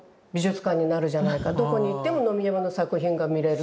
どこに行っても野見山の作品が見れる」。